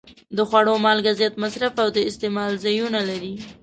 د خوړو مالګه زیات مصرف او د استعمال ځایونه لري.